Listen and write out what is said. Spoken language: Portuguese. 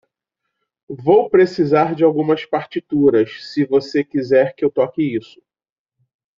Vou precisar de algumas partituras, se você quiser que eu toque isso.